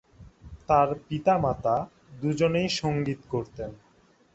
তার পিতা-মাতা দুজনেই সঙ্গীত করতেন।